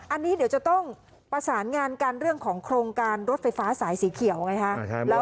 อันนี้เดี๋ยวจะต้องประสานงานกันเรื่องของโครงการรถไฟฟ้าสายสีเขียวไงฮะ